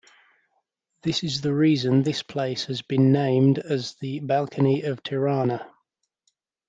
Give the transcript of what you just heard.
This is the reason this place has been named as the "Balcony of Tirana".